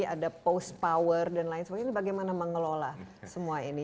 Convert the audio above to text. ada post power dan lain sebagainya bagaimana mengelola semua ini